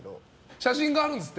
写真があるんですって。